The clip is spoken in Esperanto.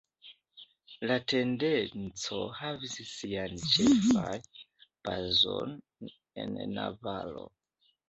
La tendenco havis sian ĉefan bazon en Navaro.